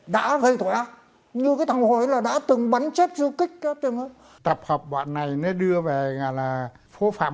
đã gây thỏa như cái thằng hồi là đã từng bắn chết du kích cái từng tập hợp bọn này nó đưa về là phố phạm